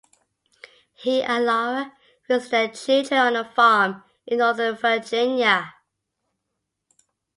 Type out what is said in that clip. He and Lara raise their children on a farm in Northern Virginia.